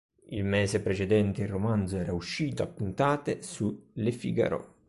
Il mese precedente il romanzo era uscito a puntate su "Le Figaro".